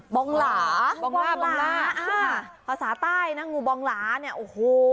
องหลาบองล่าบองล่าอ่าภาษาใต้นะงูบองหลาเนี่ยโอ้โห